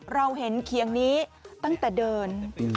เราเห็นเคียงนี้ตั้งแต่เดิน